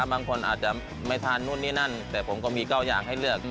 บางคนอาจจะไม่ทานนู่นนี่นั่นแต่ผมก็มีเก้าอย่างให้เลือก